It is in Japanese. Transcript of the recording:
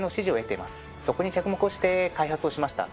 そこに着目をして開発をしました。